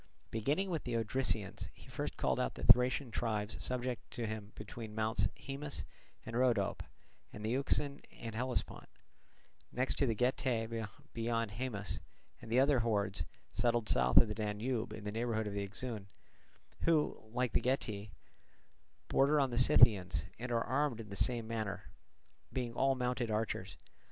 Beginning with the Odrysians, he first called out the Thracian tribes subject to him between Mounts Haemus and Rhodope and the Euxine and Hellespont; next the Getae beyond Haemus, and the other hordes settled south of the Danube in the neighbourhood of the Euxine, who, like the Getae, border on the Scythians and are armed in the same manner, being all mounted archers.